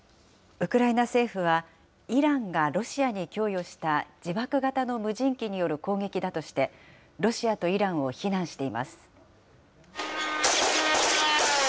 ウクライナ政府はイランがロシアに供与した自爆型の無人機による攻撃だとしてロシアとイランを非難しています。